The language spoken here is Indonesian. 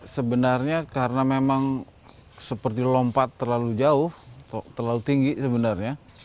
sebenarnya karena memang seperti lompat terlalu jauh terlalu tinggi sebenarnya